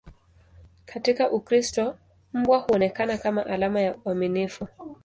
Katika Ukristo, mbwa huonekana kama alama ya uaminifu.